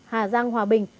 hà giang hòa bình